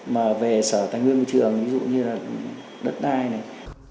mà về sở tài nguyên môi trường ví dụ như là đất đai này